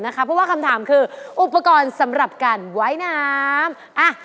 เพราะว่าคำถามคืออุปกรณ์สำหรับการว่ายน้ำ